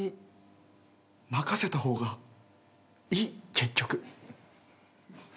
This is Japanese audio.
結局。